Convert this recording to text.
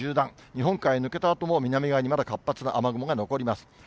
日本海に抜けたあとも、南側にまだ活発な雨雲が残ります。